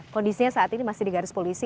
kondisinya saat ini masih di garis polisi